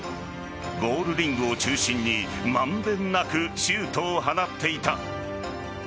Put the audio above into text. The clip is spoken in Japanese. ゴールリングを中心に満遍なくシュートを放っていた。